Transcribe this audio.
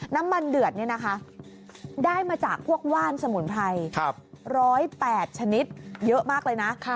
น้ำมันเดือดเนี่ยนะคะได้มาจากพวกว่านสมุนไพรครับร้อยแปดชนิดเยอะมากเลยน่ะค่ะ